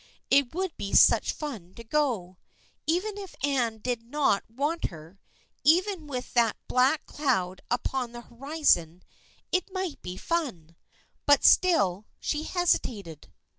It would be such fun to go. Even if Anne did not want her, even with that black cloud upon the horizon, it might be fun. But still she hesitated.